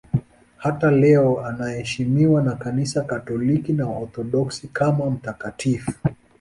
Hata leo anaheshimiwa na Kanisa Katoliki na Waorthodoksi kama mtakatifu.